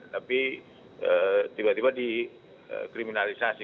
tapi tiba tiba dikriminalisasi